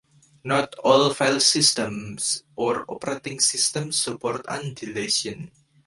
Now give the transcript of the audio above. Not all file systems or operating systems support undeletion.